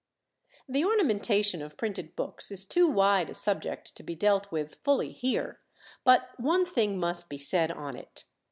The ornamentation of printed books is too wide a subject to be dealt with fully here; but one thing must be said on it.